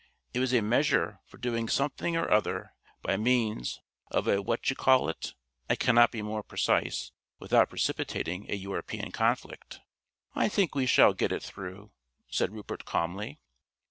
It was a measure for doing something or other by means of a what d'you call it I cannot be more precise without precipitating a European Conflict. "I think we shall get it through," said Rupert calmly.